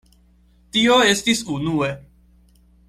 Tio estis unue.